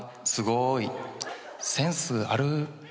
「すごい」「センスある」